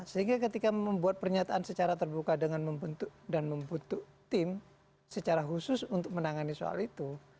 sehingga ketika membuat pernyataan secara terbuka dengan membentuk dan membentuk tim secara khusus untuk menangani soal itu